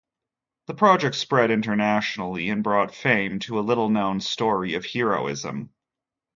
The project spread internationally and brought fame to a little-known story of heroism.